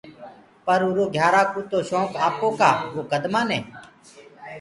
پر اُرو گھيارآ ڪوُ تو شونڪ آپوڪآ وو ڪد مآني۔